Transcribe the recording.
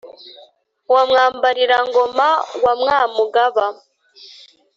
wa mwambarira ngoma wa mwamugaba